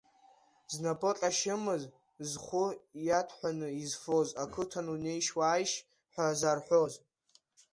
Знапы ҟьашьымыз, зхәы иаҭәҳәаны изфоз, ақыҭан унеишь-уааишь ҳәа зарҳәоз.